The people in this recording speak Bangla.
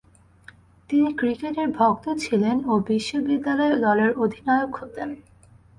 তিনি ক্রিকেটের ভক্ত ছিলেন ও বিশ্ববিদ্যালয় দলের অধিনায়ক হতেন।